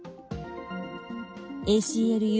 ＡＣＬＵ